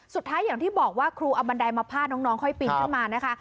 สุดท้ายอย่างที่บอกว่าครูเอาบันไดมาพาดน้องค่อยปีนขึ้นมานะคะ